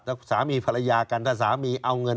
ถ้าสามีภรรยากันถ้าสามีเอาเงิน